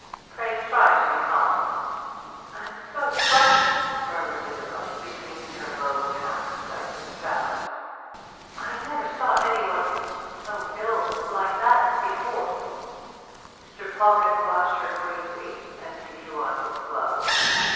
Pray try to be calm." "I am so frightened," murmured Isabel, between her low half stifled sobs. "I never saw any one ill like that before." Mr. Pawlkatt watched her gravely as he drew on his gloves.